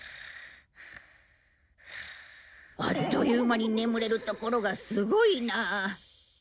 あっという間に眠れるところがすごいなあ。